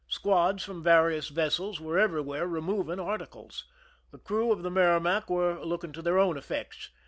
Squads from various vessels were everywhere re moving articl(3S. The crew of the Merrimac were looking to their own effects.